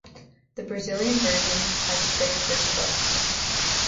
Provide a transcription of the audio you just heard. The Brazilian version has fixed this glitch.